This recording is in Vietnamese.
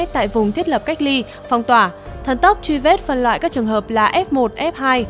tại vùng thiết lập cách ly phong tỏa thần tốc truy vết phân loại các trường hợp là f một f hai